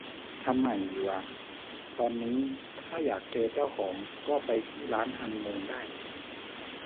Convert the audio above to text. ทำใหม่อยู่อะ ตอนนี้ถ้าอยากเจอเจ้าของก็ไปที่ร้านฮันนีมูนได้